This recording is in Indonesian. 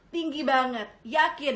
tinggi banget yakin